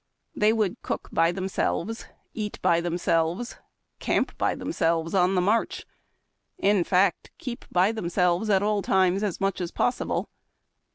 They would cook by themselves, eat by themselves, camp by themselves on the march, — in fact, keep by themselves at all times as mucii as possible.